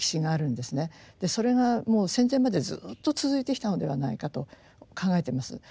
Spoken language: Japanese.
それがもう戦前までずっと続いてきたのではないかと考えてます。